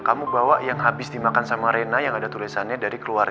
kamu bawa yang habis dimakan sama rena yang ada tulisannya dari keluarga